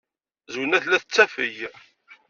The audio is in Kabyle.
Zwina tella tettafeg.